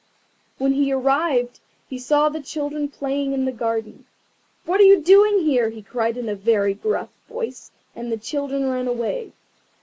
When he arrived he saw the children playing in the garden. "What are you doing here?" he cried in a very gruff voice, and the children ran away.